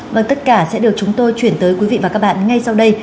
vâng tất cả sẽ được chúng tôi chuyển tới quý vị và các bạn ngay sau đây